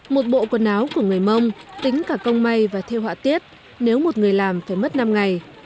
một bộ quần áo của người mông tính cả công may và theo họa tiết nếu một người làm phải mất năm ngày